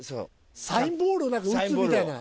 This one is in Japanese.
サインボールを打つみたいな。